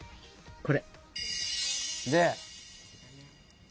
これ。